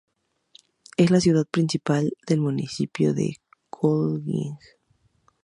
Es la ciudad principal del municipio de Kolding.